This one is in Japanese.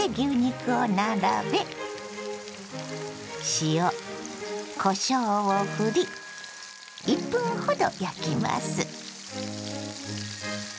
塩こしょうをふり１分ほど焼きます。